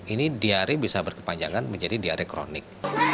ini diare bisa berkepanjangan menjadi diare kronik